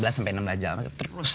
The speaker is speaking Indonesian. empat belas sampai enam belas jam terus